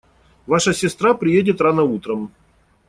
Ваша сестра приедет рано утром.